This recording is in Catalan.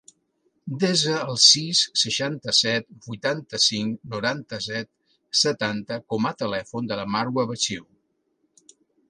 Desa el sis, seixanta-set, vuitanta-cinc, noranta-set, setanta com a telèfon de la Marwa Baciu.